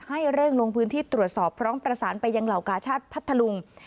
ให้เร่งลงพื้นที่ตรวจสอบพร้อมประสานไปยังเหล่ากาชาติพัทธลุง